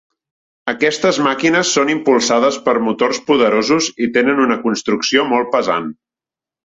Aquestes màquines són impulsades per motors poderosos i tenen una construcció molt pesant.